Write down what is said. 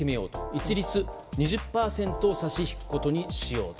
一律２０％を差し引くことにしようと。